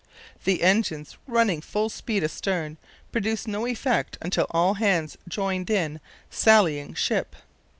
The engines running full speed astern produced no effect until all hands joined in "sallying" ship.